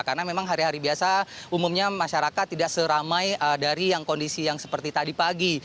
karena memang hari hari biasa umumnya masyarakat tidak seramai dari yang kondisi yang seperti tadi pagi